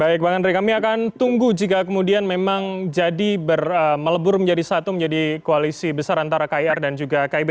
baik bang andre kami akan tunggu jika kemudian memang jadi melebur menjadi satu menjadi koalisi besar antara kir dan juga kib